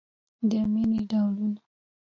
د مینې ډولونه